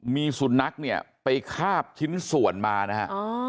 มีสุนัขเนี่ยไปคาบชิ้นส่วนมานะฮะ